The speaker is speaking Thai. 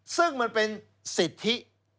ซึ่งมันเป็นสิทธิ